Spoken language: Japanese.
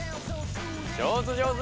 上手上手。